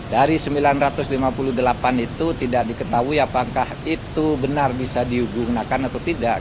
dari sembilan ratus lima puluh delapan itu tidak diketahui apakah itu benar bisa digunakan atau tidak